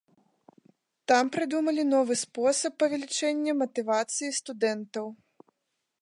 Там прыдумалі новы спосаб павелічэння матывацыі студэнтаў.